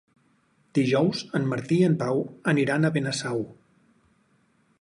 Dijous en Martí i en Pau aniran a Benasau.